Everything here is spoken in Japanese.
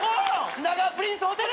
品川プリンスホテル。